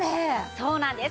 そうなんです。